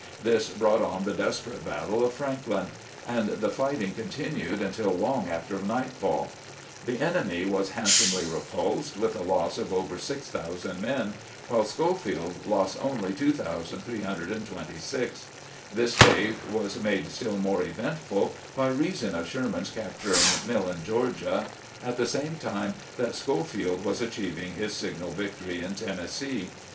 This brought on the des perate battle of Franklin, and the fighting continued until long after nightfall. The enemy was handsomely repulsed, with a loss of over 6000 men, while Schofield lost only 2326. This day was made still more eventful by reason of Sherman's capturing Millen, G eorgia, at the same time that Schofield was achieving his signal victory in Tennessee.